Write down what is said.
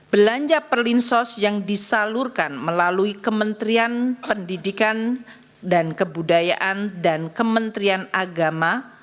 belanja perlinsos yang disalurkan melalui kementerian pendidikan dan kebudayaan dan kementerian agama